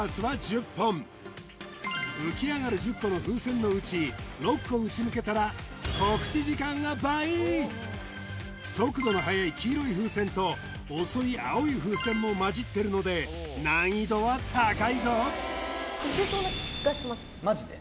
浮き上がる１０個の風船のうち６個撃ち抜けたら告知時間が倍速度の速い黄色い風船と遅い青い風船もまじってるので難易度は高いぞマジで？